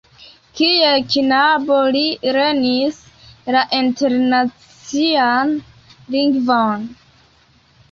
Kiel knabo li lernis la internacian lingvon.